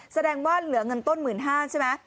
แสดงว่าเหลือเงินต้น๑๕๐๐ใช่ไหม